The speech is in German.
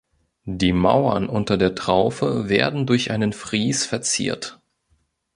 Die Mauern unter der Traufe werden durch einen Fries verziert.